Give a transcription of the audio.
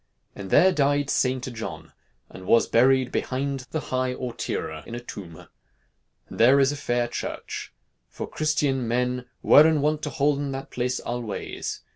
And there dyede Seynte Johne, and was buryed behynde the highe Awtiere, in a toumbe. And there is a faire chirche. For Christene mene weren wont to holden that place alweyes.